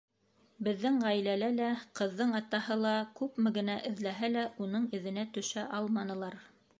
Беҙҙең ғаилә лә, ҡыҙҙың атаһы ла, күпме генә эҙләһә лә, уның эҙенә төшә алманылар.